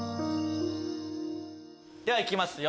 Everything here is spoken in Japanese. ではいきますよ